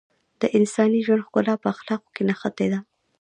د انساني ژوند ښکلا په اخلاقو کې نغښتې ده .